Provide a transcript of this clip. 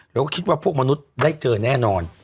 แล้วก็คิดว่าพวกมนุษย์ได้เจอแน่นอน